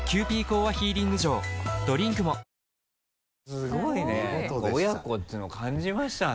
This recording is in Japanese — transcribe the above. すごいね親子っていうのを感じましたね。